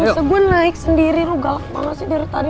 gausah gue naik sendiri lu galak banget sih dari tadi